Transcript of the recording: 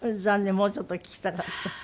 もうちょっと聴きたかった。